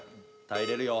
耐えれるよ。